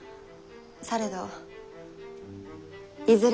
されどいずれ